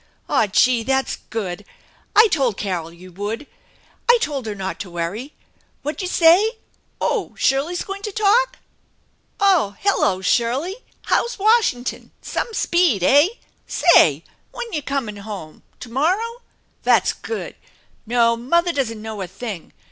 Oh, gee ! That's good ! I told Carol you would ! I told he? 10 290 THE ENCHANTED BARN not to worry ! What'd ya say? Oh, Shirley's going to talk? Oh, hello, Shirley! How's Washington? Some speed, eh? Say, when ya coming home ? To morrow ? That's good. No, mother doesn't know a thing.